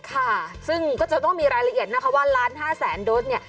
ค่ะซึ่งก็จะต้องมีรายละเอียดนะคะว่า๑๕๐๐๐๐๐โดสเนี่ย